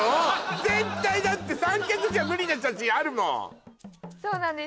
絶対だって三脚じゃ無理な写真あるもんそうなんです